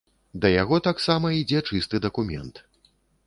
Да яго таксама ідзе чысты дакумент.